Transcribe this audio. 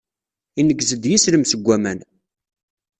Ineggez-d yislem seg aman.